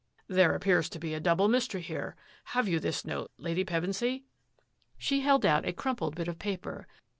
" There appears to be a double mystery here. Have you this note. Lady Pevensy?" She held out a crumpled bit of paper.